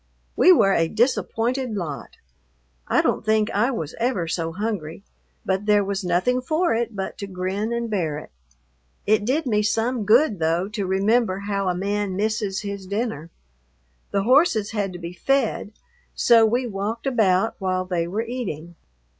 We were a disappointed lot. I don't think I was ever so hungry, but there was nothing for it but to grin and bear it. It did me some good, though, to remember how a man misses his dinner. The horses had to be fed, so we walked about while they were eating.